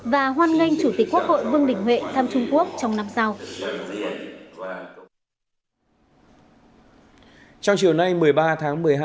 và hoan nghênh chủ tịch quốc hội vương đình huệ thăm trung quốc trong năm sau